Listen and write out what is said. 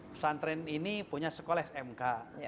pesantren ini punya sekolah smk